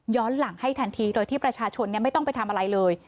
หลังให้ทันทีโดยที่ประชาชนไม่ต้องไปทำอะไรเลย